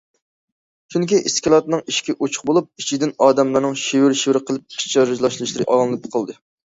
چۈنكى ئىسكىلاتنىڭ ئىشىكى ئوچۇق بولۇپ، ئىچىدىن ئادەملەرنىڭ شىۋىر- شىۋىر قىلىپ پىچىرلاشلىرى ئاڭلىنىپ قالدى.